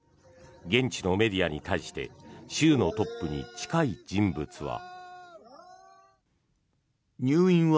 現地のメディアに対して州のトップに近い人物は。